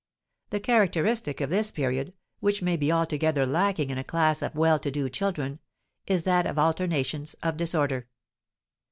The characteristic of this period, which may be altogether lacking in a class of well to do children, is that of alternations of disorder.